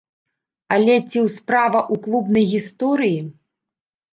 Але ці ў справа ў клубнай гісторыі?